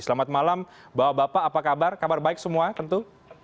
selamat malam bapak bapak apa kabar kabar baik semua tentu